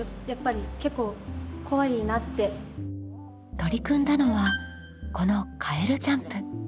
取り組んだのはこのカエルジャンプ。